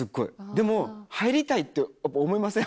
でも入りたいって思いません？